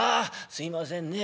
すいませんね。